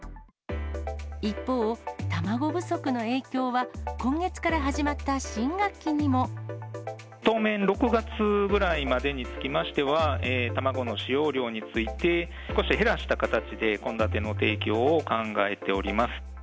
一方、卵不足の影響は、当面、６月ぐらいまでにつきましては、卵の使用量について、少し減らした形で献立の提供を考えておりま